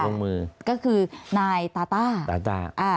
ลงมือก็คือนายตาต้าตาต้าอ่า